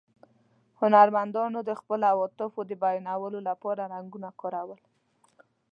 هنرمندانو د خپلو عواطفو د بیانولو له پاره رنګونه کارول.